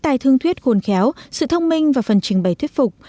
tài thương thuyết khôn khéo sự thông minh và phần trình bày thuyết phục